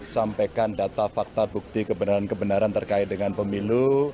sampaikan data fakta bukti kebenaran kebenaran terkait dengan pemilu